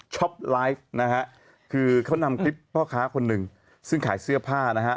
ไลฟ์นะฮะคือเขานำคลิปพ่อค้าคนหนึ่งซึ่งขายเสื้อผ้านะฮะ